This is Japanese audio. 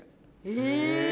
え！